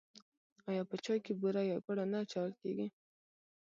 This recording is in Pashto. آیا په چای کې بوره یا ګوړه نه اچول کیږي؟